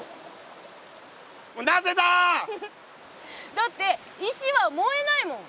だって石は燃えないもん。